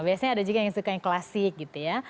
biasanya ada juga yang suka yang klasik gitu ya